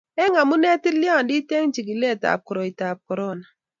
Eng amune tilyandit eng chigilikab koroitab korona